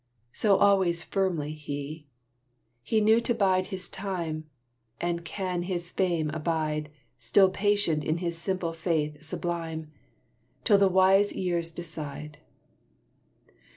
So always firmly he: He knew to bide his time, And can his fame abide, Still patient in his simple faith sublime, Till the wise years decide.